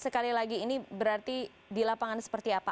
sekali lagi ini berarti di lapangan seperti apa